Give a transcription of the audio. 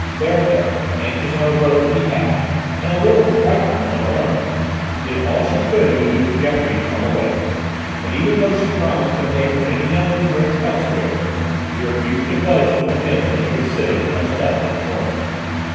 Berthe, anxious on her brother's behalf, and a little frightened on her own, did all she could to induce Geoffroy to come away, but even though she promised to pay for any number of drinks elsewhere, he refused to budge from the bench where he was sitting hunched up in a corner.